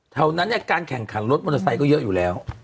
แถวนั้นเนี่ยการแข่งขันรถมอเตอร์ไซค์ก็เยอะอยู่แล้ว